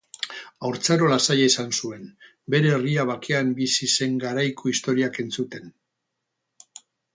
Haurtzaro lasaia izan zuen, bere herria bakean bizi zen garaiko istorioak entzuten.